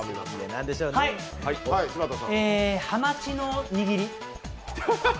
ハマチの握り？